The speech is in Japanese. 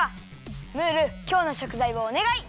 ムール今日のしょくざいをおねがい！